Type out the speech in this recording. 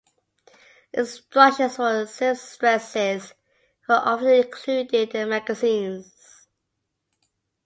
Instructions for seamstresses were often included in magazines.